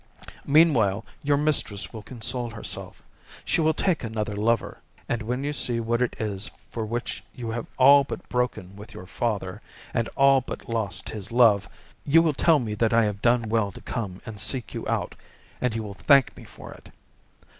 Meanwhile, your mistress will console herself; she will take another lover; and when you see what it is for which you have all but broken with your father, and all but lost his love, you will tell me that I have done well to come and seek you out, and you will thank me for it.